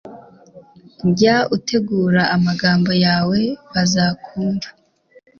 jya utegura amagambo yawe, bazakumva